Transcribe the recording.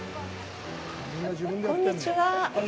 こんにちは。